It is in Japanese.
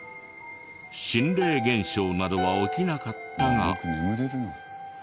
心霊現象などは起きなかったが。